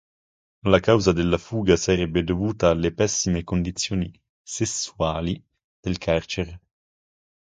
La causa della fuga sarebbe dovuta alle pessime condizioni "sessuali" del carcere.